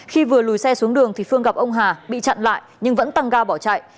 khi vừa lùi xe xuống đường thì phương gặp ông hà bị chặn lại nhưng vẫn tăng ga bỏ chạy